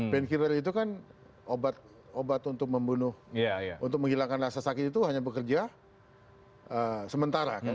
band killer itu kan obat obat untuk membunuh untuk menghilangkan rasa sakit itu hanya bekerja sementara kan